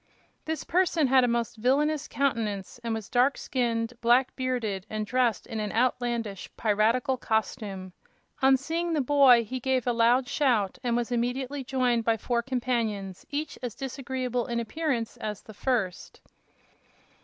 This person had a most villainous countenance, and was dark skinned, black bearded and dressed in an outlandish, piratical costume. On seeing the boy he gave a loud shout and was immediately joined by four companions, each as disagreeable in appearance as the first.